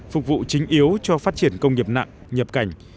phục vụ chính yếu cho phát triển công nghiệp nặng nhập cảnh